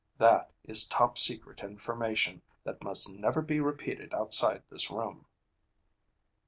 That is top secret information that must never be repeated outside this room."